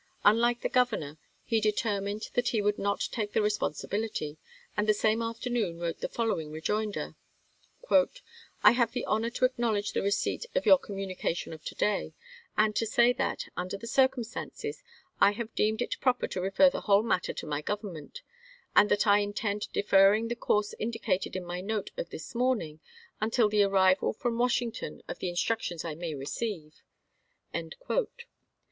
Un like the Governor, lie determined that he would not take the responsibility, and the same afternoon wrote the following rejoinder :" I have the honor to acknowledge the receipt of your communication of to day, and to say that, under the circumstances, I have deemed it proper to refer the whole matter to my Government, and that I intend deferring the course indicated in my note of this morning until the arrival from Wash ington of the instructions I may receive."